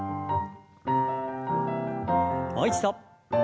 もう一度。